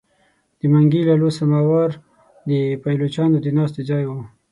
د منګي لالو سماوار د پایلوچانو د ناستې ځای وو.